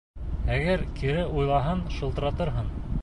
Әгәр кире уйлаһаң, шылтыратырһың.